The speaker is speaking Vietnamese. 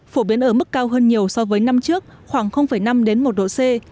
phổ biến ở mức cao hơn nhiều so với năm trước khoảng năm đến một độ c